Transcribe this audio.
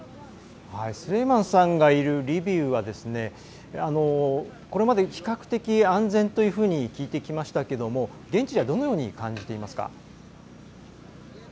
スレイマンさんがいるリビウはこれまで比較的安全というふうに聞いてきましたけども現地ではどのように感じていますか。